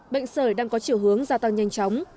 bệnh sởi đang có chiều hướng gia tăng nhanh chóng